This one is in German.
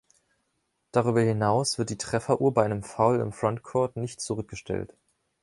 Darüber hinaus wird die Treffer-Uhr bei einem Foul im Frontcourt nicht zurückgestellt.